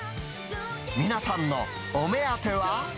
皆さんのお目当ては？